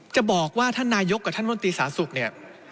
จะบอกว่าท่านนายกกับท่านมนตรีสาสุขเนี่ย